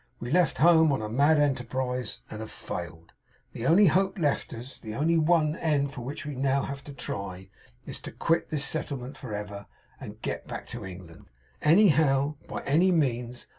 We left home on a mad enterprise, and have failed. The only hope left us, the only one end for which we have now to try, is to quit this settlement for ever, and get back to England. Anyhow! by any means!